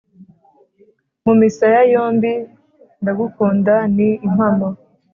Mu misaya yombi, ndagukunda ni impamo